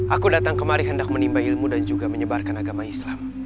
aku datang kemari hendak menimba ilmu dan juga menyebarkan agama islam